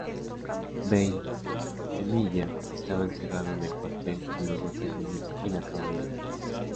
Veintemilla estaba encerrado en el Cuartel con los batallones y la caballería.